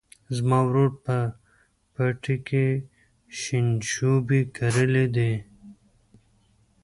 زما ورور په پټي کې شینشوبي کرلي دي.